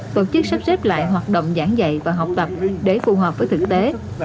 tổ chức sắp xếp lại hoạt động giảng dạy và học tập để phù hợp với thực tế